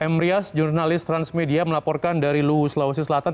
m rias jurnalis transmedia melaporkan dari luwu sulawesi selatan